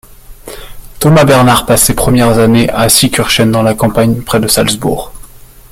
Thomas Bernhard passe ses premières années à Seekirchen, dans la campagne près de Salzbourg.